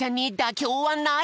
きょうはない！